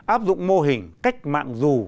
áp dụng mô hình cách mạng dù